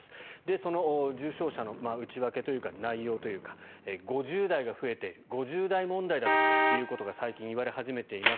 その重症者の内訳というか内容というか５０代が増えて５０代問題だということが最近、言われ始めています。